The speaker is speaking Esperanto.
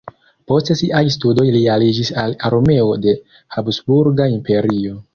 Post siaj studoj li aliĝis al armeo de Habsburga Imperio.